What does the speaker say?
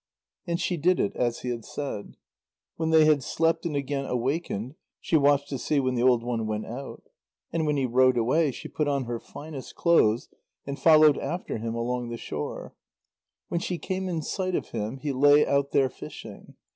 And she did it as he had said. When they had slept and again awakened, she watched to see when the old one went out. And when he rowed away, she put on her finest clothes and followed after him along the shore. When she came in sight of him, he lay out there fishing.